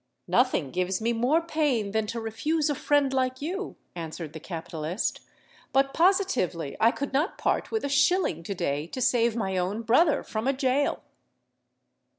"Nothing gives me more pain than to refuse a friend like you," answered the capitalist: "but, positively, I could not part with a shilling to day to save my own brother from a gaol."